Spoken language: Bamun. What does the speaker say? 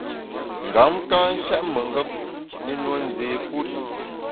Ngam ka shèt mengap, i nue nzé put.